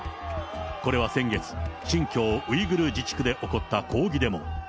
これは先月、新疆ウイグル自治区で起きたデモ。